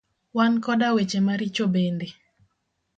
Wan koda weche maricho bende.